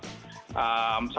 pertama kita lihat apa isunya